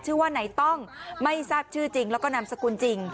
ชื่อว่าไหนต้องไม่ทราบชื่อจริงแล้วก็นามสกุลจริง